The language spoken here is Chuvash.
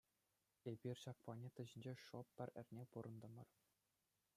Эпир ҫак планета ҫинче шӑп пӗр эрне пурӑнтӑмӑр.